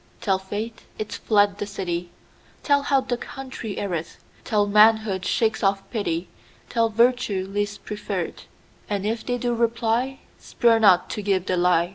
Tell faith it's fled the city; Tell how the country erreth; Tell, manhood shakes off pity; Tell, virtue least preferreth:And if they do reply, Spare not to give the lie.